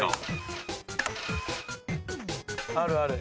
あるある。